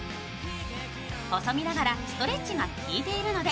細身ながらストレッチがきいているので